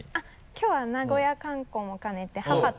きょうは名古屋観光も兼ねて母と。